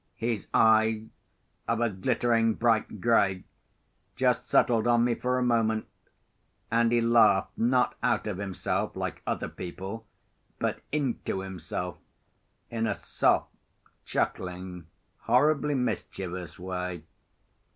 His eyes, of a glittering bright grey, just settled on me for a moment; and he laughed, not out of himself, like other people, but into himself, in a soft, chuckling, horridly mischievous way.